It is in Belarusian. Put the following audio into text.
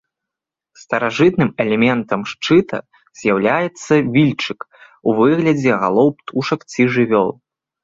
Старажытным элементам шчыта з'яўляецца вільчык у выглядзе галоў птушак ці жывёл.